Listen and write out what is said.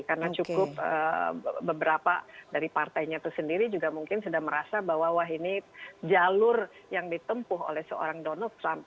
karena cukup beberapa dari partainya itu sendiri juga mungkin sudah merasa bahwa ini jalur yang ditempuh oleh seorang donald trump